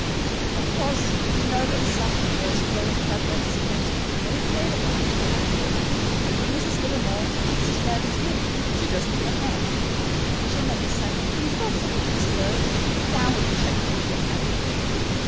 Of course you know that some of those brilliant fabrics are going to be very fadeable and impractical. But Mrs. Livermore is as bad as you she doesn't give a hang. She'll make a second and a third set if necessary. DOWN WITH CHECKED GINGHAM!